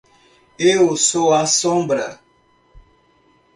Eu sou a sombra.